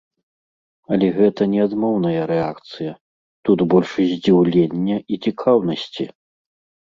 Але гэта не адмоўная рэакцыя, тут больш здзіўлення і цікаўнасці.